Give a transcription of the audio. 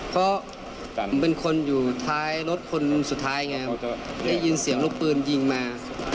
เพราะเป็นคนอยู่ท้ายรถคนสุดท้ายไงได้ยินเสียงลูกปืนยิงมา